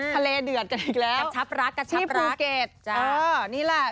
ทะเลเดือดกันอีกแล้วที่ภูเกตนะฮะกับชับรัก